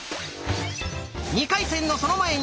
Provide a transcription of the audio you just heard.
２回戦のその前に！